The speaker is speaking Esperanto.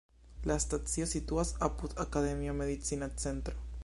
La stacio situas apud "Akademia Medicina Centro".